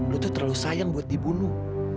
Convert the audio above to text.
lu tuh terlalu sayang buat dibunuh